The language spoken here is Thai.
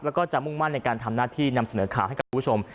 แล้วก็จะมุ่งมั่นในการทำหน้าที่นำเสนอข่าวให้กับคุณผู้ชม